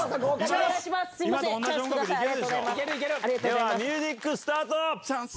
ではミュージックスタート！